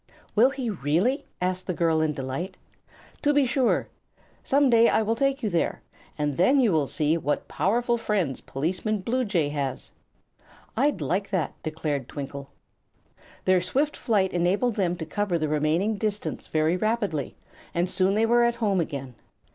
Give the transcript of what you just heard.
"Will he, really?" asked the girl, in delight. "To be sure. Some day I will take you over there, and then you will see what powerful friends Policeman Bluejay has." "I'd like that," declared Twinkle. Their swift flight enabled them to cover the remaining distance very rapidly, and soon they were at home again.